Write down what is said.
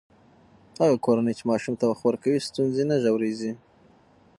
هغه کورنۍ چې ماشوم ته وخت ورکوي، ستونزې نه ژورېږي.